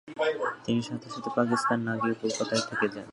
তিনি সাথে সাথে পাকিস্তান না গিয়ে কলকাতায় থেকে যান।